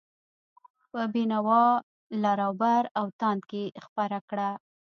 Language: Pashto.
په بینوا، لراوبر او تاند کې خپره کړه.